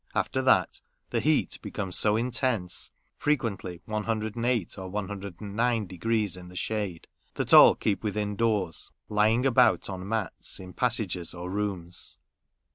After that, the heat becomes so intense (frequently one hundred and eight or one hundred and nine degrees in the shade) that all keep within doors, lying about on mats in passages or rooms.